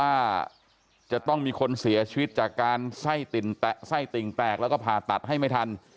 ว่าจะต้องมีคนเสียชีวิตจากการไส้ติ่งแตกแล้วก็ผ่าตัดให้ไม่ทัน